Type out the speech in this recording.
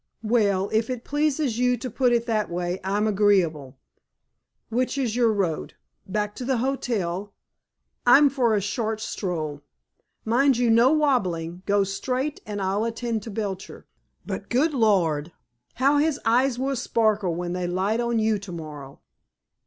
"Well, if it pleases you to put it that way, I'm agreeable. Which is your road? Back to the hotel? I'm for a short stroll. Mind you, no wobbling! Go straight, and I'll attend to Belcher. But, good Lord! How his eyes will sparkle when they light on you to morrow!"